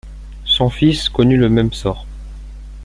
Son fils connut le même sort.